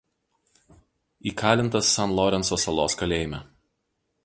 Įkalintas San Lorenso salos kalėjime.